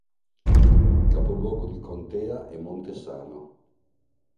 Il capoluogo di contea è Montesano.